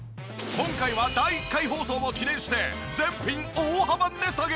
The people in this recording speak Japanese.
今回は第１回放送を記念して全品大幅値下げ！